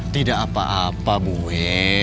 tidak apa apa bu he